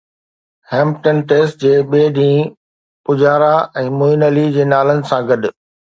Hampton test جي ٻئي ڏينهن پجارا ۽ معين علي جي نالن سان گڏ